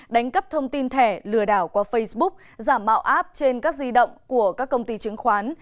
đánh cắp thông tin thẻ lừa đảo qua facebook giảm mạo áp trên các di động của các công ty chứng khoán